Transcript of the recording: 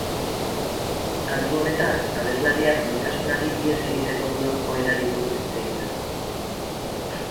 Kantu honetan, abeslariak maitasunari ihes egiteko duen joerari buruz hitz egiten du.